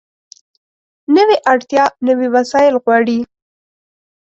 نوې اړتیا نوي وسایل غواړي